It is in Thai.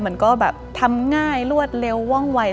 มันก็แบบทำง่ายรวดเร็วว่องวัย